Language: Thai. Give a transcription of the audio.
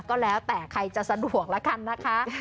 ก็แล้วแต่ใครจะสะดวกแล้วกันนะคะ